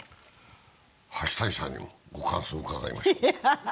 橋谷さんにご感想を伺いましょう。